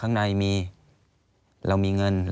อันดับ๖๓๕จัดใช้วิจิตร